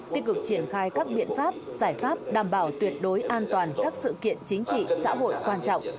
tích cực triển khai các biện pháp giải pháp đảm bảo tuyệt đối an toàn các sự kiện chính trị xã hội quan trọng